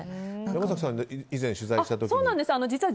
山崎さん、以前取材した時に。